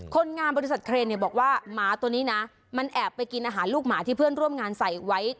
คนงานบริษัทเครนเนี่ยบอกว่าหมาตัวนี้นะมันแอบไปกินอาหารลูกหมาที่เพื่อนร่วมงานใส่ไว้